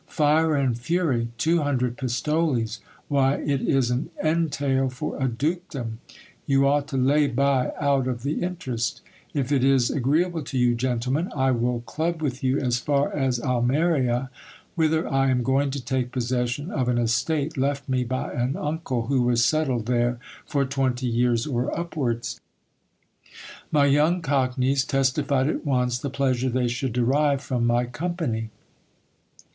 Fire and fury ! Two hundred pistoles ! Why it s an entail for a dukedom ! You ought to lay by out of the interest If it is [JO GIL BLAS. agreeable to you, gentlemen, I will club with you as far as Almeria, whither I am going to take possession of an estate left me by an uncle who was settled there for twenty years or upwards. My young cockneys testified at once the pleasure they should derive from my company.